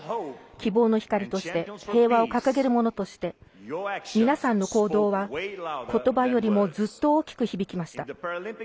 希望の光として平和を掲げる者として皆さんの行動は言葉よりもずっと大きく響きました。